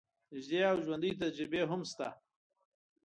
نژدې او ژوندۍ تجربې هم شته.